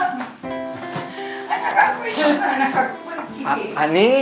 anak aku mau pergi